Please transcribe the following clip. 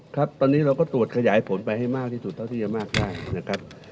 ครับตอนนี้เราก็ตรวจขยายผลไปให้มากที่สุดเท่าที่จะมากได้นะครับ